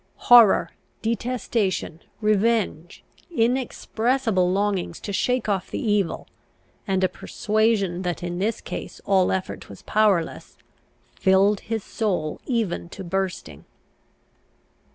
Horror, detestation, revenge, inexpressible longings to shake off the evil, and a persuasion that in this case all effort was powerless, filled his soul even to bursting.